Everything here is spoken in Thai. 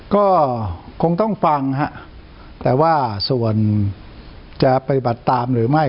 ก็คงต้องฟังฮะแต่ว่าส่วนจะปฏิบัติตามหรือไม่